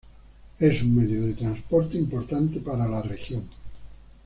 Es un medio de transporte importante para la región.